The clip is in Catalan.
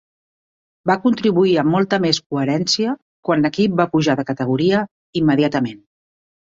Va contribuir amb molta més coherència quan l'equip va pujar de categoria immediatament.